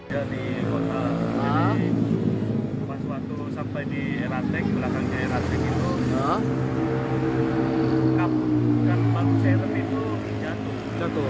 jadi pas waktu sampai di eratek belakangnya eratek itu kabur kan ban serep itu jatuh